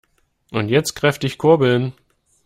Und jetzt kräftig kurbeln!